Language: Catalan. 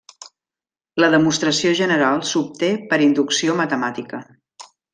La demostració general s'obté per inducció matemàtica.